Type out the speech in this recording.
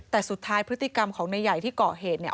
แต่สุดท้ายพฤติกรรมของนายใหญ่ที่เกาะเหตุเนี่ย